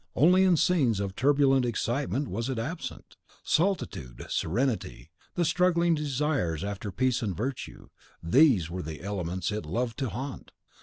Only in scenes of turbulent excitement was it absent! Solitude, serenity, the struggling desires after peace and virtue, THESE were the elements it loved to haunt!